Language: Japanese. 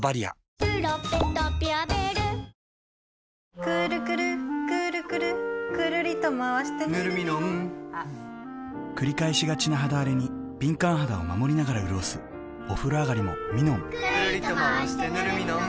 くるくるくるくるぬるミノンくるりとまわしてぬるミノン繰り返しがちな肌あれに敏感肌を守りながらうるおすお風呂あがりもミノンくるりとまわしてぬるミノン